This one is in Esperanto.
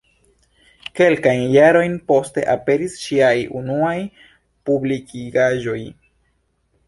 Kelkajn jarojn poste aperis ŝiaj unuaj publikigaĵoj.